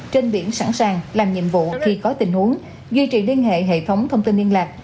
trên biển sẵn sàng làm nhiệm vụ khi có tình huống duy trì liên hệ hệ thống thông tin liên lạc